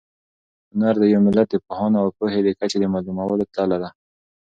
هنر د یو ملت د پوهانو او پوهې د کچې د معلومولو تله ده.